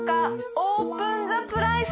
オープンザプライス！